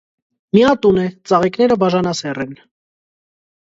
Միատուն է, ծաղիկները բաժանասեռ են։